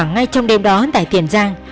và ngay trong đêm đó tại tiền giang